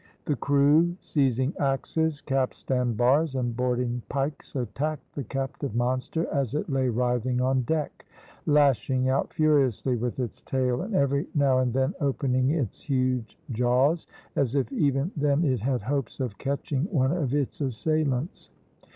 The crew seizing axes, capstan bars, and boarding pikes, attacked the captive monster, as it lay writhing on deck, lashing out furiously with its tail, and every now and then opening its huge jaws, as if even then it had hopes of catching one of its assailants.